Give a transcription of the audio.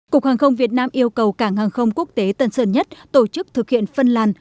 cục hàng không việt nam yêu cầu cảng hàng không quốc tế tân sơn nhất tổ chức thực hiện phân làn